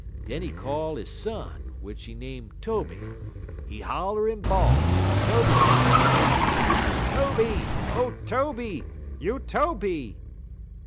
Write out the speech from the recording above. Den he call he son, w'ich he name Tobe. He holler en bawl, en Tobe make answer: "'Tobe! O Tobe! You Tobe!'